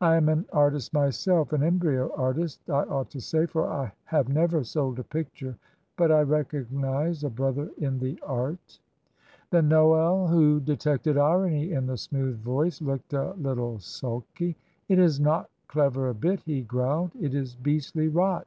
I am an artist myself an embryo artist, I ought to say, for I have never sold a picture but I recognise a brother in the art." Then Noel, who detected irony in the smooth voice, looked a little sulky. "It is not clever a bit," he growled; "it is beastly rot.